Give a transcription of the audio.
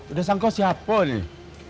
udah sangkau siapa nih